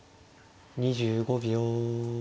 ２５秒。